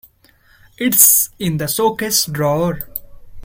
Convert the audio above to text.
It's in the showcase drawer.